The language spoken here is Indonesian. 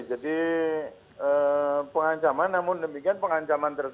jadi pengancaman namun demikian pengancaman tersebut